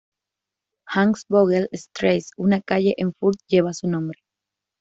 Hans-Vogel-Strasse, una calle en Fürth, lleva su nombre.